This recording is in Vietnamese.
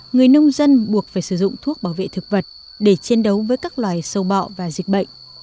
người nông dân buộc phải sử dụng thuốc bảo vệ thực vật để chiến đấu với các loài sâu bọ và dịch bệnh